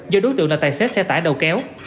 do đối tượng là tài xế xe tải đầu kéo